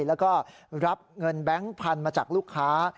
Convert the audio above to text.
แล้วก็รับเงินแบงค์พันธุ์มาจากลูกค้า